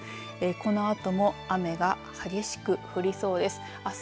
このあとも雨が激しく降りそうです。